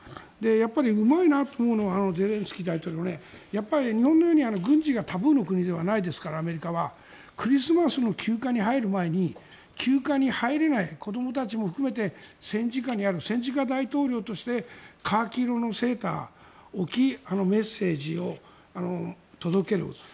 やっぱりうまいなと思うのはやっぱり、日本のように軍事がタブーの国ではないですから、アメリカはクリスマスの休暇に入る前に休暇に入れない子どもたちも含めて戦時下にある戦時下大統領としてカーキ色のセーターを着てあのメッセージを届ける。